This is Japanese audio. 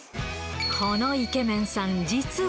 このイケメンさん、実は。